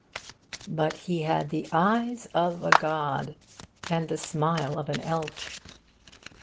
But he had the eyes of a god, and the smile of an elf.